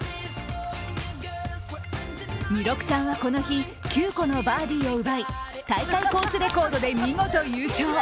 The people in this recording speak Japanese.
弥勒さんはこの日、９個のバーディーを奪い大会コースレコードで見事優勝。